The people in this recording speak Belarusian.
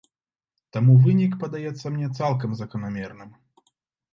Таму вынік падаецца мне цалкам заканамерным.